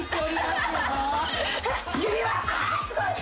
あすごい！